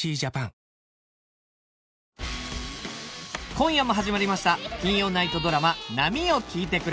今夜も始まりました金曜ナイトドラマ『波よ聞いてくれ』